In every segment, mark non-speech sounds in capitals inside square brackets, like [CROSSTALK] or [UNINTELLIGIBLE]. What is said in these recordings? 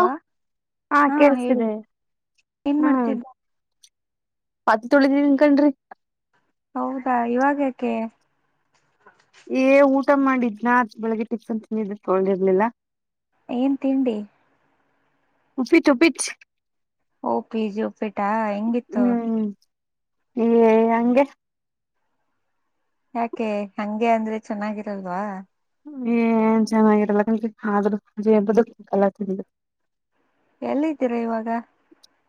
ವ ಹಾ ಹೇಳಿ ಏನ್ ಹ್ಮ್ ಮಾಡ್ತಿದ್ದ್ ಪಾತ್ರೆ ತೊಳಿತಿದನ್ ಕನ್ರೀ ಹೌದಾ ಇವಾಗ್ಯಾಕೆ ಏ ಊಟ ಮಾಡಿದ್ನಾ ಅದ ಬೆಳಗ್ಗೆ ಟಿಪ್ಫನ್ ತಿಂದಿದ್‌ಕ್ಕೆ ಹೋಗಿರಲಿಲ್ಲ. ಏನ್ ತಿಂಡಿ? ಉಪಿತ್ ಉಪಿಚ್ ಓ ಪಿಜಿ ಉಪ್ಪಿಟ್ಟ ಹೆಂಗಿತ್ತು? ಹ್ಮ್ ಏ ಹಂಗೆ ಯಾಕೆ ಹಂಗೆ ಅಂದ್ರೆ ಚೆನ್ನಾಗಿರಲ್ವಾ. ಏನ್ ಚೆನ್ನಾಗಿರಲ್ಲ ಆದ್ರೂ ಅದಲ್ಲ ತಿ [UNINTELLIGIBLE] ಎಲ್ಲಿ ಇದ್ದೀರಾ ಇವಾಗ [UNINTELLIGIBLE]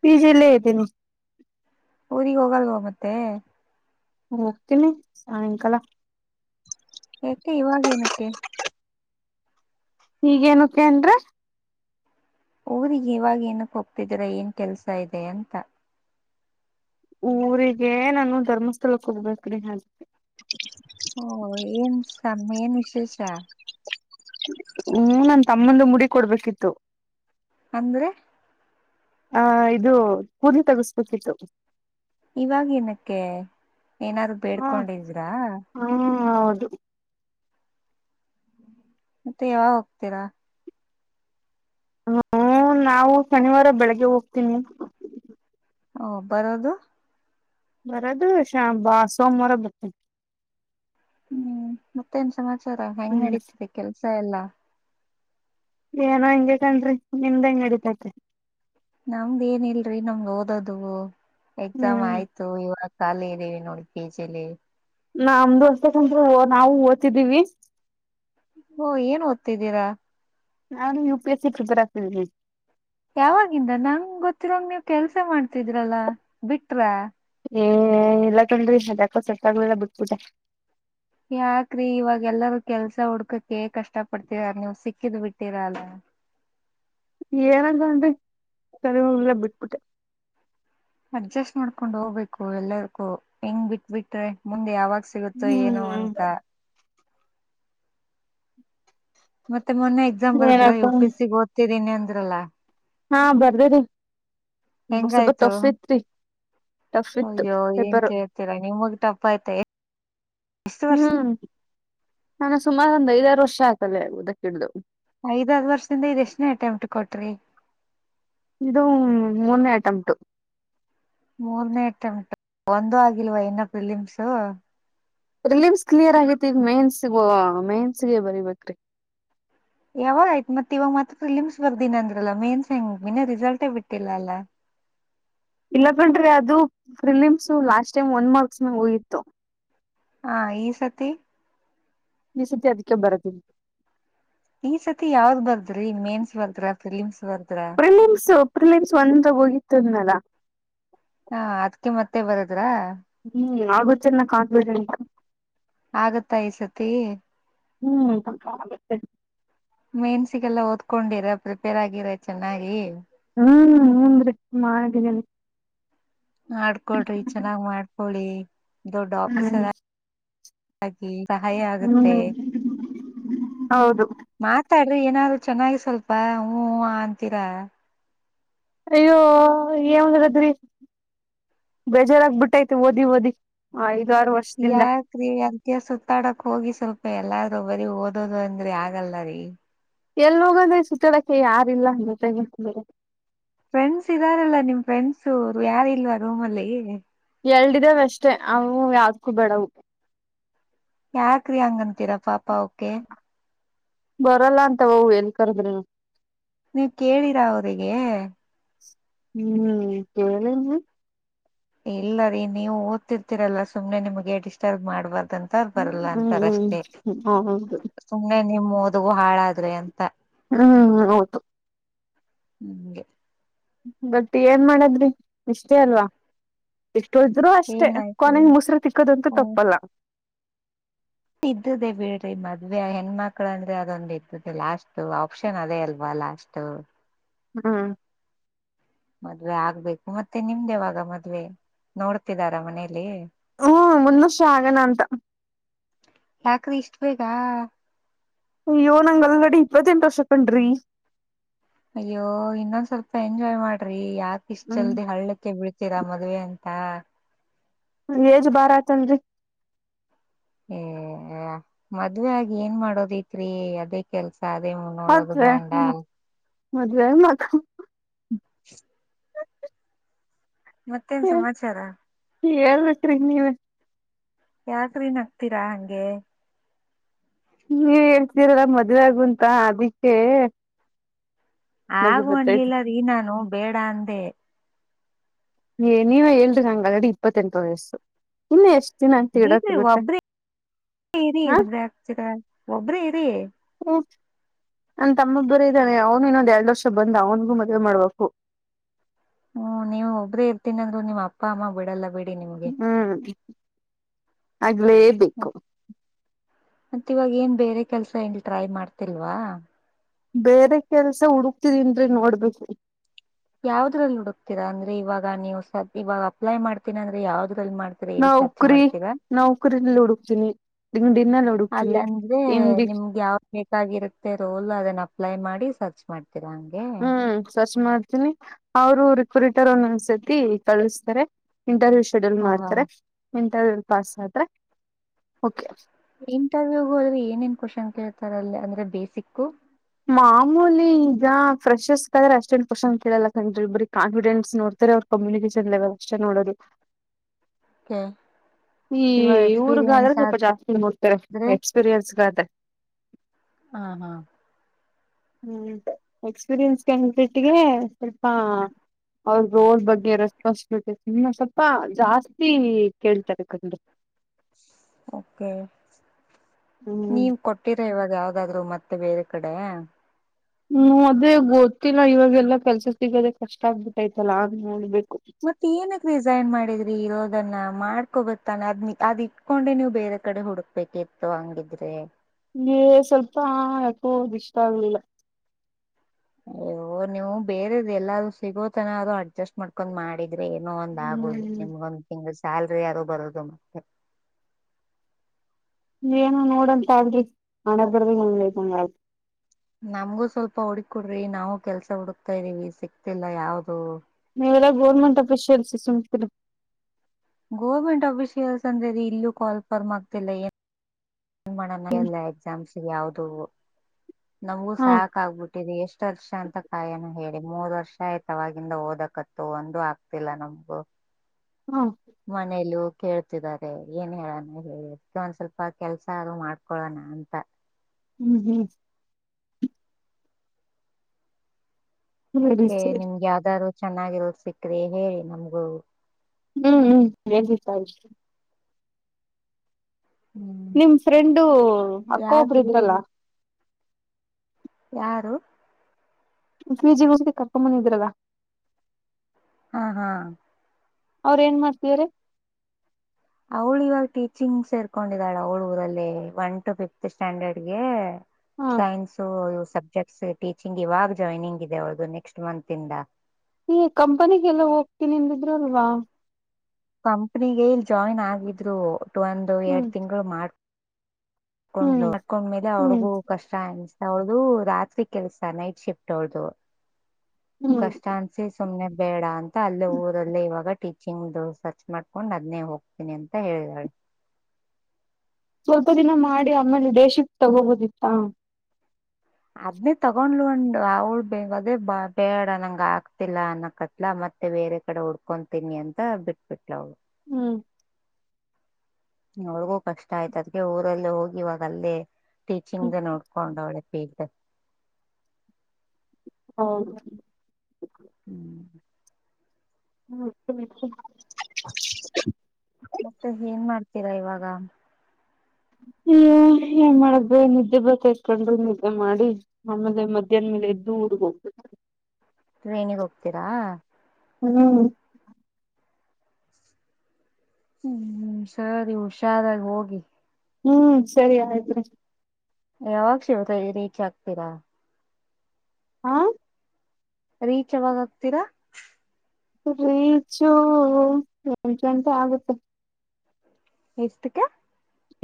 ಪಿ ಜಿ ಲೆ ಇದೀನಿ [UNINTELLIGIBLE] ಊರಿಗೆ ಹೋಗಲ್ವಾ ಮತ್ತೆ [UNINTELLIGIBLE] ಹೋಗ್ತೀನಿ ಸಾಯಂಕಾಲ [UNINTELLIGIBLE] ಯಾಕೆ ಇವಾಗ ಏನಕ್ಕೆೆ ಈಗೇನುಕ್ಕೆ ಅಂದ್ರೆ [UNINTELLIGIBLE] ಊರಿಗೆ ಇವಾಗ ಏನಿಕ್ ಹೋಗ್ತಿದೀರ ಏನ್ ಕೆಲ್ಸ ಇದೆ ಅಂತ [UNINTELLIGIBLE] ಊರಿಗೆ ನಾನು ಧರ್ಮಸ್ಥಳಕ್ಕೆ ಹೋಗ್ಬೇಕ್ರಿ ಹೆ [UNINTELLIGIBLE] ಓ ಏನ್ ಏನ್ ವಿಶೇಷ [UNINTELLIGIBLE] ಹ್ಮ ನನ್ ತಮ್ಮಂದು ಮುಡಿ ಕೊಡ್ಬೇಕಿತ್ತು [UNINTELLIGIBLE] ಅಂದ್ರೆ [UNINTELLIGIBLE] ಆ ಇದು ಪುದಿ ತಗಸ್ಬೇಕಿತ್ತು [UNINTELLIGIBLE] ಇವಾಗ್ ಏನಕ್ಕೆ ಏನಾದರು ಹ ಬೇಡ್ಕೊಂಡಿದ್ರಾ [UNINTELLIGIBLE] ಹಾ ಹೌದು [UNINTELLIGIBLE] ಮತ್ತೆ ಯಾವಾಗ ಹೋಗ್ತೀರಾ [UNINTELLIGIBLE] ಹ್ಮ ನಾವು ಶನಿವಾರ ಬೆಳಗ್ಗೆ ಹೋಗ್ತೀನಿ [UNINTELLIGIBLE] ಓ ಬರೋದು [UNINTELLIGIBLE] ಬರೋದು ಶ ಬಾ ಸೋಮವಾರ ಬರ್ತೀನಿ [UNINTELLIGIBLE] ಹ್ಮ್ ಮತ್ತೇನ್ ಸಮಾಚಾರ ಹೆಂಗ್ ಹ್ಮ್ ನಡೀತಿಧೇ ಕೆಲ್ಸ ಎಲ್ಲಾ [UNINTELLIGIBLE] ಏನೋ ಹೆಂಗೆ ಕಣ್ರಿ ನಿಮ್ದ್ ಹೆಂಗ್ ಅಡಿತೈತೆ [UNINTELLIGIBLE] ನಮ್ದ ಏನ ಇಲ್ರಿ ನಮ್ದ ಓದದು ಎಕ್ಸಾಮ್ ಹ್ಮ್ ಆಯ್ತು ಇವಾಗ [UNINTELLIGIBLE] ಕಾಲಿ ಇದೀವಿ ನೋಡಿ ಪಿಜಿಲಿ [UNINTELLIGIBLE] ನಮ್ದು ನಾವು ಓದ್ತಿದೀವಿ [UNINTELLIGIBLE] ಓ ಏನ್ ಓದ್ತಿದ್ದೀರಾ [UNINTELLIGIBLE] ನಾನು U P S C prepare ಆಗ್ತಿದ್ದೀನಿ [UNINTELLIGIBLE] ಯಾವಾಗಿಂದ ನಂಗ ಗೊತ್ತಿರಂಗ ನೀವ ಕೆಲ್ಸ ಮಾಡ್ತಿದ್ರಲ್ಲ ಬಿಟ್ರ [UNINTELLIGIBLE] ಏ ಇಲ್ಲ ಕನ್ರೀ ಅದಾಕೋ ಸೆಟ್ ಆಗ್ಲಿಲ್ಲ ಬಿಟ್ಬಿಟ್ಟೆ [UNINTELLIGIBLE] ಯಾಕ್ರಿ ಇವಾಗ ಎಲ್ಲರೂ ಕೆಲ್ಸ ಹುಡ್ಕಕ ಕಷ್ಟ ಪಡ್ತೀರ ನೀವ್ ಸಿಕ್ಕಿದ್ ಬಿಟ್ಟಿರಲ್ಲ [UNINTELLIGIBLE] ಏನಂತ ಅಂದೆ ಸರಿ ಹೋಗ್ಲಿಲ್ಲ ಬಿಟ್ಬಿಟ್ಟೆ [UNINTELLIGIBLE] ಅಡ್ಜಸ್ಟ್ ಮಾಡ್ಕೊಂಡು ಹೋಗ್ಬೇಕು ಎಲ್ಲದಕ್ಕೂ ಹೆಂಗ್ ಬಿಟ್ ಬಿಟ್ರೆ ಮುಂದೆ ಯಾವಾಗ [UNINTELLIGIBLE] ಸಿಗುತ್ತೋ ಏನೋ ಹ್ಮ್ ಅಂತ [UNINTELLIGIBLE] ಮತ್ತೆ ಮೊನ್ನೆ ಎಕ್ಸಾಮ್ ಬರದ್ರ ಏನಪ್ಪ ಯು ಪಿ ಸಿ ಓದ್ತಿದೀನಿ ಅಂದ್ರಲ್ಲಾ [UNINTELLIGIBLE] ಹಾ ಬರ್ದೇರೀ ಒನ್ ಸ್ವಲ್ಪ ಹೆಂಗಾಯ್ತು ಟಫ್ ಇತ್ರೀ [UNINTELLIGIBLE] ಅಯ್ಯೋ ಏನ್ ಕೇಳ್ತೀರಾ ನಿಮಗ್ ಟಫ್ ಆಯ್ತಾ ಎಷ್ಟ ವರ್ಷ [UNINTELLIGIBLE] ಹ್ಮ್ ನಾನು ಸುಮಾರು ಒಂದ್ ಐದಾರು ವರ್ಷ ಆಗ್ತಲ್ಲದಕ್ಕಿಡ್ದು [UNINTELLIGIBLE] ಐದ್ಆರ್ ವರ್ಷದಿಂದ ಇದ ಎಷ್ಟನೇ ಅಟೆಂಟ್ ಕೊಟ್ರಿ [UNINTELLIGIBLE] ಇದು ಮ ಮೂನ್ನೇ ಅಟ್ಟೆಂಟು [UNINTELLIGIBLE] ಮೂರ್ನೇ ಅಟೆಂಟ್ ಒಂದು ಆಗಿಲ್ವ ಇನ್ನ ಫ್ರಿಲಿಮ್ಸು [UNINTELLIGIBLE] ಪ್ರಿಲಿಮ್ಸ್ ಕ್ಲಿಯರ್ ಆಗೈತಿ ಈಗ ಮೆನ್ಸಿಗ ಮೆನ್ಸಗೆ ಬರಿಬೇಕ್ರಿ [UNINTELLIGIBLE] ಯಾವಾಗ ಆ್ತ ಮತ್ ಇವಾಗ್ತ್ ಫಿಲಿಮ್ಸ್ ಬರ್ದಿನ ಅಂದ್ರಲ್ಲ ಮೇನ್ಸ್ ಹೆಂಗ ಇನ ರಿಸಲ್ಟೇ ಬಿಟ್ಟಿಲ್ಲ ಅಲ್ಲಾ [UNINTELLIGIBLE] ಇಲ್ಲ ಕಂಡ್ರೆ ಅದು ಫಿಲಿಮ್ಸ ಲಾಸ್ಟ್ ಟೈಮ್ ಒಂದ್ ಮಾರ್ಕ್ಸ್ ನಗ ಹೋಗಿತ್ತು [UNINTELLIGIBLE] ಹಾ ಈ ಸತಿ [UNINTELLIGIBLE] ಈಸತಿ ಅಧಿಕ ಬರದಿಲ್ಲ [UNINTELLIGIBLE] ಈ ಸತಿ ಯಾವ್ದ್ ಬರ್ದ್ರಿ ಮೇನ್ಸ್ ಬರ್ದ್ರ ಫಿಲಿಮ್ಸ್ [UNINTELLIGIBLE] ಪ್ರಿಲಿಮ್ಸ್ ಪ್ರಿಲಿಮ್ಸ್ ಒಂದ ಹೋಗಿತ್ತುದ್ನಲ್ಲ [UNINTELLIGIBLE] ಹಾ ಅದಕ್ಕೆ ಮತ್ತೆ ಬರದ್ರ [UNINTELLIGIBLE] ಆಗತ್ತ ಅನ ಕಾಣಫಿಡೆನ್ಸ್ [UNINTELLIGIBLE] ಆಗತ್ತಾ ಈ ಸತಿ [UNINTELLIGIBLE] ಹ್ಮ್ ಪಕ್ಕ ಆಗುತ್ತೆ [UNINTELLIGIBLE] ಮೇನ್ಸಿಗೆಲ್ಲ ಓದ್ಕೊಂಡಿರ ಪ್ರಿಪೇರ್ ಆಗಿರ ಚೆನ್ನಾಗಿ ಹ್ಮ್ ಹಂದ ಮಾಡಿದ್ದನೆ ಆಡ್ಕೊಳ್ರಿ ಚೆನ್ನಾಗ್ ಮಾಡ್ಕೊಳಿ ದೊಡ್ ಆಫೀಸ್ ಅದ ಸಹಾಯ ಹ್ಮ್ ಆಗುತ್ತೆತ್ ಹೌದು ತಾಡ್ರಿ ಏನಾದ್ರು ಚೆನ್ನಾಗಿ ಸ್ವಲ್ಪ ಹೂಞ ಅಂತೀರಾ ಅಯ್ಯೋ ಏಂದ ಬೇಜಾರಾಗಬಿಟ್ಟೈತಿ ಓದಿ ಓದಿ ಆಯ್ ಯಾಕ್ರೀ ಯಾರ್ಕ ಸುತ್ತಾಡಕ್ ಹೋಗಿ ಸ್ವಲ್ಪ ಎಲ್ಲಾರೂ ಬರಿ ಓದೋದು ಅಂದ್ರೆ ಆಗಲ್ಲರಿೀ ಎಲ್ಲಿ ಹೋಗದ್ರೆ ಸುತ್ತಡಕ್ಕೆ ಯಾರಿಲ್ಲ ಅಂದ ತಗ ಫ್ರೆಂಡ್ಸ್ ಇದ್ದಾರಲ್ಲ ನಿಮ್ ಫ್ರೆಂಡ್ಸು ಯಾರ ಇಲ್ವಾ ರೂಮ್ ಅಲ್ಲಿ ಎಲ್ಿದಾವ ಅಷ್ಟೇ ಅವು ಯಾವ್ದಕ್ಕೂ ಬೇಡವು ಯಾಕ್ರಿ ಹಂಗಂತೀರಾ ಪಾಪಾ ಕೆ ಬರಲ್ಲ ಅಂತ ಅ ಏನ್ ಕರ್ದ್ರಿ ನೀವು ಕೇಳಿರಾ ಅವರಿಗೆ ಹ್ಮ್ ಕೇಳನು ಇಲ್ಲ ರೀ ನೀವು ಓದ್ತಿರ್ತಿೀರಲ್ಲ ಸುಮ್ನೆ ನಿಮ್ಗೆ ಡಿಸ್ಟರ್ಬ್ ಮಾಡ್ಬಾರ್ದು ಂತ ಬರಲ್ಲ ಹ್ಮ್ ಅಂತಾರಷ್ಟೇ ಹ್ಮ್ ಹೌದು ಸುಮ್ನೆ ನಿಮ್ಮ ಓದಗ ಹಾಳಾದ್ರೆ ಅಂತ ಹ್ಮ್ ಹೌದು ಹ್ಮ್ ಬಟ್ ಏನ್ ಮಾಡದ್ರಿ ನಿಷ್ಟೇ ಅಲ್ವಾ ಕುಳಿದ್ರು ಅಷ್ಟೇ ಏನಾಯ್ತು ಕೊನೆಗೆ ಮೊಸರು ತಿಕ್ಕೋದಂತೂ ತಪ್ಪಲ್ಲ ಇದ್ದದೆೇ ಬಿೀಡ್ರಿ ಮದ್ವೆ ಹೆಣ್ಮಕ್ಳ ಅಂದ್ರೆ ಅದೊಂದು ಇದ್ದದೆ ಲಾಸ್ಟ್ ಆಪ್ಷನ್ ಅದೇ ಅಲ್ವ ಲಾಷ್ಟು ಹ್ಮ ಮದ್ವೆ ಆಗ್ಬೇಕು ಮತ್ತೆ ನಿಮ್ದೆವಾಗ ಮದ್ವೆ ನೋಡ್ತಿದಾರ ಮನೇಲಿ ಹ್ಮ್ ಮುಂದ ವರ್ಷ ಆಗಣ ಅಂತ ಯಾಕ್ರ ಇಷ್ಟ ಬೇಗಾ ಅಯ್ಯೋ ನಂಗಗೆ ಅಲ್ಗಡೆ ಇಪ್ಪತ್ತೆಂಟು ವರ್ಷ ಕಂಡ್ರಿ ಅಯ್ಯೋ ಇನ್ನೊಂದ್ ಸ್ವಲ್ಪ ಎಂಜಾಯ್ ಮಾಡ್ರಿ ಯಾರ್ ಇಷ್ಟ ಹ್ಮ್ ಜಲ್ದಿ ಹಳ್ಳಕ್ಕೆ ಬಿೀಳ್ತೀರಾ ಮದ್ವೆ ಅಂತ ಏಜ ಬಾರಾ ಚಂದ್ರ ಏ ಮದ್ವೆ ಆಗಿ ಏನ್ ಮಾಡೋದೈತ್ರಿ ಅದೇ ಕೆಲ್ಸ ಸಾಧೇ ನೋಡೋದು ಗಾಂಡ ಮದ್ ಮಕ್ಕ [UNINTELLIGIBLE] ಮತ್ತೇನ್ ಸಮಾಚಾರ ಹೇಳ್ಬೇಕ್ರಿ ನೀವ ಯಾಕ್ರೀನ್ ಹಕ್ತರಾ ಹಂಗೆ ನೀ ಹೇಳ್ತೀರಲ್ಲ ಮದ್ೆ ಆಗುಂತ ಅದಿಕ್ಕೆ ನಗು ಆಗು ಬತ್ತೈತಿ ಅನ್್ಲಿಲ್ಲ ರೀ ನಾನು ಬೇಡ ಅಂದೆ ನೀವೇ ಹೇಳ್ರಿ ಹಂಗ ಅಲ್ರೆಡಿ ಇಪ್ಪತ್ತೆಂಟು ವಯಸ್ಸು ಇನ್ನು ಎಷ್ಟು ಬಿಡ್ರಿ ಒಬ್ರ ಇ ಹಾ ಒಬ್ರ ಇರಿ ಹ ನನ್ ತಮ್ಮಬ್ಬರ ಇದ್ದಾನೆ ಅವ್ನು ಇನ್ನೊಂದ್ ಎರಡ್ ವರ್ಷ ಬಂದ್ ಅವನಗೂ ಮದ್ವೆ ಮಾಡ್ಬೇಕು ಹ್ಮ್ ನೀವು ಒಬ್ಬ್ರೇ ಇರ್ತೀನಂದ್ರರು ನಿಮ್ಮ ಅಪ್ಪ ಅಮ್ಮ ಬಿಡಲ್ಲ ಬಿ ಹ್ಮ್ ಆಗ್ಲೇಬೇಕು ಮತ್ತ ಇವಾಗ ಏನ್ ಬೇರೆ ಕೆಲ್ಸ ಇಲ್ ಟ್ರೈ ಮಾಡ್ತಿಲ್ವಾ ಬೇರೆ ಕೆಲ್ಸ ಹುಡುಕ್ತಿದನ್ರರಿ ನೋಡ್ಬೇಕು ಯಾವದ್ರಲ್ಲಿ ಹುಡುಕ್ತೀರಾ ಅಂದ್ರೆ ಇವಾಗ ನೀವು ಇವಾಗ ಅಪ್ಲೈ ಮಾಡ್ತೀನಿ ಅಂದ್ರೆ ಯಾವ್ದ ನೌಕರಿ ನೌಕರಿ ಹುಡುಕ್ತೀನಿ ಡಿಗ್ಡಿನಲ್ಲಿ ಅಲ್ಲ ಹುಡುಕ್ತೀನಿ ಅಂದ್ರೆ ಇಂಡಿ ನಿಮ್ಗೆ ಯಾವ ಬೇಕಾಗಿರುತ್ತೆ ರೋಲ್ ಅದನ್ನ ಅಪ್ಲೈ ಮಾಡಿ ಸರ್ಚ್ ಮಾಡ್ತೀರಾ ಹಂಗೆ ಹ್ಮ್ ಸರ್ಚ್ ಅವರು ರಿಕ್ುರಿಟರ್ನ್ನೊಂದ್ಸತಿ ಕಳಸ್ತಾರೆ ಇಂಟರ್ವ್ಯೂ ಶೆಡ್ಯೂಲ್ ಹಾ ಹಾ ಮಾಡ್ತಾರೆ ಇಂಟರ್ವ್ಯೂ ಪಾಸ್ ಆದ್ರರೆ ಕೆ ಇಂಟರ್ವ್ಯೂ ಹೋಗಿ ಏನೇನ್ ಕ್ವಶನ್ ಕೇಳ್ತಾರಲ್ಲ ಅಂದ್ರೆ ಬೇಸಿಕ್ು ಮಾಮೂಲಿ ಈಗ ಫ್ರೆಷರ್ಸ್ಾದ್ರ ಅಷ್ಟೇನ್ ಪುಷನ್ ಕೇಳಲ್ಲ ಬರೀ ಕಾನ್ಫಿಡೆನ್ಸ್ ನೋಡ್ತಾರೆ ಅವ್ರರು ಕಮ್ಯುನಿಕೇಶನ್ ಲೆವೆಲ್ ಅಷ್ಟೇ ನೋಡಿ ಹಾ ಈ ಊರ್ಗಾದ್ರೆ ಸ್ವಲ್ಪ ಜಾಸ್ತಿ ಮೂಡ್ತಾರೆ ಆದ್ರೆ ಎಕ್ಸ್ಪೀರಿಯನ್ಸ್ಗಾದ್ರೆ ಹ್ಮ ಹಾ ಹ್ಮ ಎಕ್ಸ್ಪೀರಿಯನ್ಸ್ ಕಂಪಟ್ಗೆ ಸ್ವಲ್ಪ ಅವ್ರ ರೋಡ್ ಬಗ್ಗೆ ರೆಸ್ಪಾನ್ಸ್ ಸ್ವಲ್ಪ ಜಾಸ್ತಿ ಕೇಳ್ತಾರೆ ಕಂಡರು ಕೆ ಹ್ಮ್ ನೀವ್ ಕೊಟ್ಟಿರ ಇವಾಗ ಯಾವ್ದಾದ್ರು ಮತ್ತೆ ಬೇರೆ ಕಡೆ ಹ್ಮ್ ಅದೇ ಗೊತ್ತಿಲ್ಲ ಇವಾಗೆಲ್ಲಾ ಕೆಲ್ಸ ಸಿಗದೆ ಕಷ್ಟ ಆಗ್ಬಿಟ್ಟೈತಲ್ಲ ಅ ನೋಡ್ಬೇಕು ಮತ್ತೆ ಏನಕ್ ಹಕೋಗುತ್ತಾನೆ ಅದ್ ಅದ್ ಇಟ್ಕೊಂಡೆ ನೀವು ಬೇರೆ ಕಡೆ ಹುಡುಕ್ಬೇಕಿತ್ತು ಹಂಗಿದ್ರೆ ನಿಗೆ ಸ್ವಲ್ಪ ಯಾಕೋದು ಇಷ್ಟ ಆಗ್ಲಿಲ್ಲ ಅಯ್ಯೋ ನೀವು ಬೇರೆದ ಎಲ್ಲೂ ಸಿಗೋತನ ಅರು ಅಡ್ಜಸ್ಟ್ ಮಾಡ್ಕೊಂಡ್ ಮಾಡಿ ್ರೆ ಏನೋ ಒಂದ ಆಗೋದು ಹ್ಮ್ ನಿಮ್ಗ ಒಂದ್ ತಿಂಗ್ ಶಲ್ರಿ ಯಾರು ಬರುದು ಮತ್ತೆ ಏನು ನೋಡಂತ ತಾಳ್ರೀ ಹನರ್ಬರ್ದ ನಮಗೂ ಸ್ವಲ್ಪ ಹುಡ್ಕ ಕೊಡ್ರಿ ನಾವು ಕೆಲ್ಸ ಹುಡುಕ್ತಾ ಇದ್ದೀವಿ ಸಿಕ್ತಿಲ್ಲ ಯಾವ್ದು ನೀವೆ ಎಲ್ಲ ಗೌರ್ಮೆಂಟ್ ಆಫಿಷಿಯಲ್ಸ ಸುಮ್ಕಿರಿ ಗೋರ್ಮೆಂಟ್ ಆಫಿಷಿಯಲ್ಸ್ ಅಂದ್ರೆ ರ ಇಲ್ಲೂ ಕಾಲ್ ಫರ್ಮ್ ಆಗ್ತಿಲ್ಲ ಏನ್ ನಿಮ್ಮಣಲ್ಲ ಹ್ಮ್ ಎಕ್ಸಾಮ್ಸ್ ಯಾವವದು ನಮಗೂ ಹಾ ಸಾಕಾಗಗ್ಬಿಟ್ಟಿದ ಎಷ್ಟ ವರ್ಷ ಅಂತ ಕಾಯನ ಹೇಳ ಮೂರ್ ವರ್ಷ ಆಯ್ತಾವವಾಗಿಂದ ಓದಕತ್ತು ಒಂದು ಆಗ್ತಿಲ್ಲ ನಮ್ಗು ಹಾ ಮನೇೆಯಲ್ಲಿ ಕೇಳ್ತಿದ್ದಾರೆ ಏನ್ ಹೇಳಣ ಹೇಳಿಕ್ಕೆ ಒಂದ್ ಸ್ವಲ್ಪ ಕೆಲ್ಸ ಅದು ಮಾಡ್ಕೊಳೋಣ ಅಂತ ಹ್ಮ್ ಹ್ಮ್ ಸರಿ ಅದ್ಕ್ಕೆ ಸರಿ ನಿಮ್ಗೆ ಯಾವ್ದಾರರು ಚೆನ್ನಾಗಿರೋದ ಸಿಕ್ಕ್ರಿ ಹೇಳಿ ನಮ್ಗೂ ಹ್ಮ್ ಹ್ಮ್ ಎಜಿ ಸಾರ ಹ್ಮ್ ನಿಮ್ ಫ್ರೆಂಡು ಅಕ್ಕ ಒಬರು ಯಾಕ್ರೀ ಇದ್ರಲ್ಲ ಯಾರು ಪಿಜಿ ಮುಗಿಸ್ಕೊಂಡು ಕರ್ಕೊಂಡ್ ಬಂದಿದ್ರಲ್ಲ ಹ್ಮ್ ಹ್ಮ್ ಅವ್ರ ಏನ್ ಮಾಡ್ತಾರೆ ಅವಳು ಇವಾಗ ಟೀಚಿಂಗ್ ಸೇರ್ಕೊಂಡಿದ್ದಾಳ ಅವಳ ಊರಲ್ಲಿ ಒನ್ ಟು ಫಿಫತ್ ಸ್ಟ್ಯಾಂಡರ್ಡ್ಗೆ ಹಾ ಸೈನ್ಸ ಸಬ್ಜೆಕ್ಟ್ಸ್ ಟೀಚಿಂಗ್ ಇವಾಗ ಜಾಯ್ನಿಂಗ್ ಇದೆ ಅವ್ರ್ದದು ನೆಕ್ಸ್ಟ್ ಮಂತ್ ಇಂದ ನೀ ಕಂಪನಿಗೆಲ್ಲ ಹೋಗ್ತೀನಿದ್ರು ಅಲ್ವಾ ಕಂಪ್ನಿಗೆ ಇಲ್ ಜಾಯಿನ್ ಆಗಿದ್ರು ಒ ಒಂದು ಹ್ಮ್ ಎರಡ್ ತಿಂಗಳು ಮಾಡ್ ಹಕೊಂಡ್ ಹ್ಮ್ ಅಕೊಂಡ್ಮೇಲೆ ಹ್ಮ್ ಅವ್ರಗೂ ಕಷ್ಟ ಅನ್ ಅವದು ರಾತ್ರಿ ಕೆಲ್ಸ ನೈಟ್ ಶಿಫ್ಟ್ ಅವಳ್ದು ಹ್ಮ್ ಕಷ್ಟ ಅನ್ಸಿ ಸುಮ್ನೆ ಬೇಡ ಅಂತ ಅಲ್ಲೇ ಊರಲ್ಲೇ ಇವಾಗ ಟೀಚಿಂಗ್ದ ಸರ್ಚ್ ಮಾಡ್ಕೊಂಡ್ ಅದನೇ ಹೋಗ್ತೀನಿ ಅಂತ ಹೇಳಿದಾಳೆ ಸ್ವಲ್ಪ ದಿನ ಮಾಡಿ ಆಮೇಲೆ ಡೇಶಿಪ್ ತಗಬೋುದಿತ್ತಾ ಅದ್ನೇ ತಗೊಂಡ್ಲಂಡು ಅವಳ ಬೇ ಅದೇ ಬ ಬೇಡ ನಂಗ ಆಗ್ತಿಲ್ಲ ಅನ್ನಕತ್ಲ ಮತ್ತ ಮತ್ತೆ ಬೇರೆ ಕಡೆ ಉಡ್ಕೊತೀನಿ ಅಂತ ಬಿಟ್ಬಿಟ್ಲ ಅವಳು ಹ್ಮ್ ಅವಳಗೂ ಕಷ್ಟ ಆಯ್ತು ಅದ್ಕ್ಕೆ ಊರಲ್ಲ ಹೋಗಿ ಇವಾಗಲ್ಲೇ ಹ್ಮ್ ಟೀಚಿಂಗ್ದ ನೋಡ್ಕೊಂಡ ಅವಳ ಪೇದೆ ಹಾ ಹ್ಮ್ ಹ್ಮ ಮತ್ತೆ ಏನ್ ಮಾಡ್ತೀರಾ ಇವಾಗ ಹ್ಮ ಏನ್ ಮಾಡ ನಿದ್ದೆ ಬತ ಇಕೊಂಡ್ರೆ ನಿದ್ದೆ ಮಾಡಿ ಅಂದ್ರ ಮಧ್ಯಾಹ್ ಮೇಲೆ ಎದ್ದ ಉಡ್ಬ ಟ್ರೇನಿಗೆ ಹೋಗ್ತೀರಾ ಹ್ಮ್ ಹ್ಮ್ ಸರಿ ಹುಷಾರಾಗ ಹೋಗಿ ಹ್ಮ್ ಸರಿ ಆಯ್ತ ಯಾವಾಗ ಶಿವ ರೀಚ್ ಆಗ್ತೀರಾ ಹಾ ರೀಚ್ ಯಾವಾಗ ಆಗ್ತೀರಾ ರೀಚು ಎಂಟು ಗಂಟೆ ಆಗುತ್ತೆ ಎಷ್ಟತಕ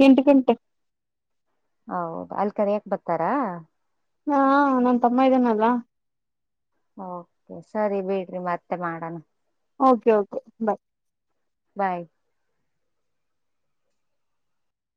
ಎಂಟು ಗಂಟೆ ಹೌದು ಅಲ್ ಕರ ಯಾಕ ಬರ್ತಾರಾ ಹಾ ನನ್ ತಮ್ಮ ಇದೇನಲ್ಲ ಕೆ ಸರಿ ಬಿಡ್ರಿ ಮತ್ತೆ ಮಾಡಣ ಓಕೆ ಓಕೆ ಬಾಯ್ ಬಾಯ್